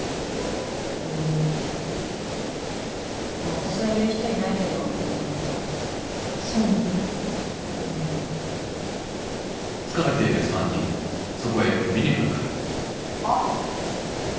私は言う人いないけどもともとそうなんだうんあっ！